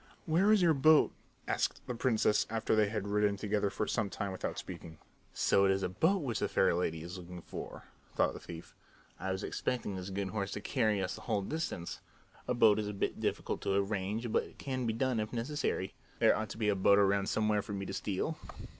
"Where is your boat?" asked the princess after they had ridden together for some time without speaking. "So it is a boat which the fair lady is looking for," thought the thief. "I was expecting this good horse to carry us the whole distance. A boat is a bit difficult to arrange, but it can be done if necessary. There ought to be a boat around somewhere for me to steal."